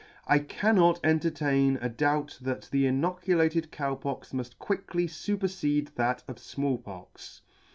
I cannot entertain a doubt that the inoculated Cow Pox muft quickly fupercede that of Small Pox.